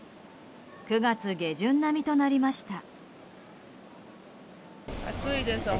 ９月下旬並みとなりました。